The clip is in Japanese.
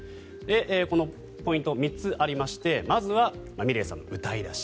このポイント、３つありましてまずはｍｉｌｅｔさんの歌い出し。